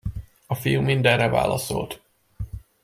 A fiú mindenre válaszolt.